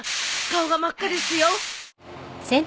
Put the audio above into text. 顔が真っ赤ですよ。